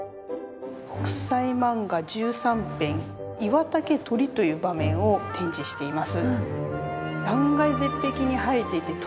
『北斎漫画』十三編岩茸取という場面を展示しています。